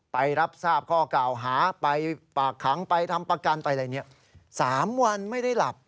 ไปรับทราบข้อกล่าวหาไปฝากขังไปทำประกันไปอะไรเนี่ย๓วันไม่ได้หลับ